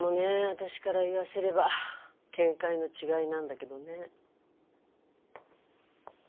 私から言わせれば見解の違いなんだけどね。